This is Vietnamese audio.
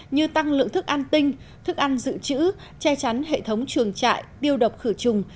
như tăng lượng thức ăn tinh thức ăn dự trữ che chắn hệ thống chuồng trại tiêu độc khử trùng